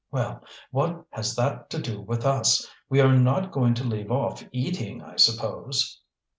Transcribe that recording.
"Well, what has that to do with us? We are not going to leave off eating, I suppose?"